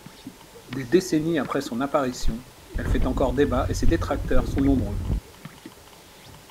Des décennies après son apparition, elle fait encore débat et ses détracteurs sont nombreux.